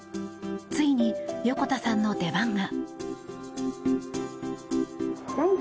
ついに横田さんの出番が。